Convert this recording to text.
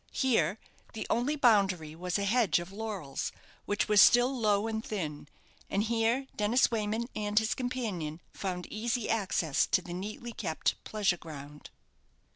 Here, the only boundary was a hedge of laurels, which were still low and thin; and here Dennis Wayman and his companion found easy access to the neatly kept pleasure ground.